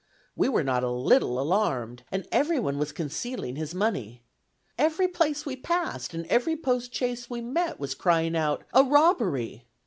We were not a little alarmed, and everyone was concealing his money. Every place we passed and every post chaise we met was crying out, 'A robbery!'